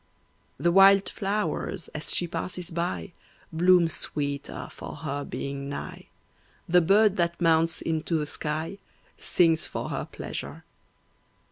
The wild flowers, as she passes by, Bloom sweeter for her being nigh; The bird that mounts into the sky Sings for her pleasure.